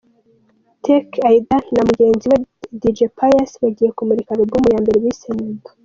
Tk Aidan na mugenzi we Dj Pius bagiye kumurika album ya mbere bise ‘Nyumva’.